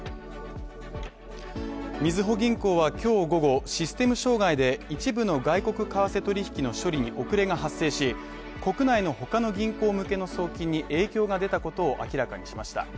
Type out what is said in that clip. みずほ銀行は今日午後、システム障害で、一部の外国為替取引の処理に遅れが発生し、国内の他の銀行向けの送金に影響が出たことを明らかにしました。